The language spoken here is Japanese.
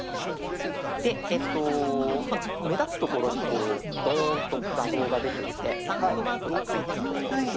で目立つ所にこうドーンと画像が出ていて三角マークがついてると思うんです。